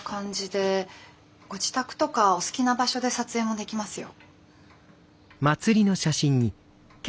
ご自宅とかお好きな場所で撮影もできますよ。